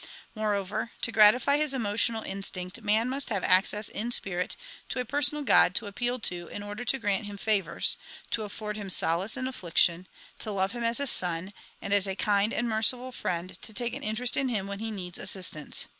Moreover, to gratify his emotional instinct, man must have access in spirit to a personal God to appeal to in order to grant him favours, to afford him solace in affliction, to love him as a son, and as a kind and merciful friend to take an interest in him when he needs assistance.